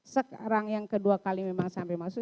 sekarang yang kedua kali memang sampai masuk